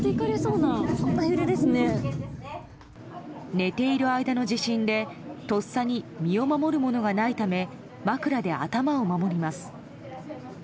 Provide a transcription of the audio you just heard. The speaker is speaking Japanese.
寝ている間の地震でとっさに身を守るものがないため枕で頭を守ります。